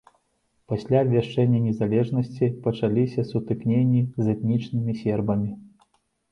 Пасля абвяшчэння незалежнасці пачаліся сутыкненні з этнічнымі сербамі.